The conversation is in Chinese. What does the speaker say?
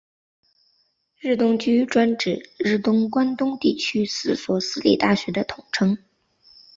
日东驹专指日本关东地区四所私立大学的统称。